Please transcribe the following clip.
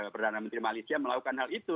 perdana menteri malaysia melakukan hal itu